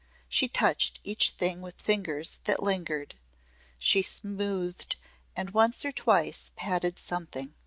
She touched each thing with fingers that lingered; she smoothed and once or twice patted something.